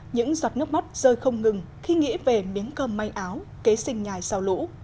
những giọt nước mắt rơi không ngừng khi nghĩ về miếng cơm may áo kế sinh nhài sau lũ